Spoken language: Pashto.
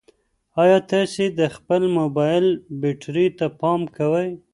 ایا تاسي د خپل موبایل بیټرۍ ته پام کوئ؟